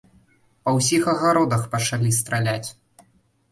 Па ўсіх агародах пачалі страляць.